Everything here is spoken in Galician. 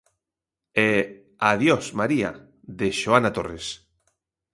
E "Adiós, María" de Xohana Torres.